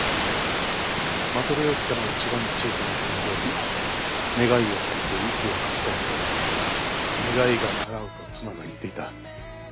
マトリョーシカの一番小さな人形に願いを込めて息を吹き込むと願いがかなうと妻が言っていた。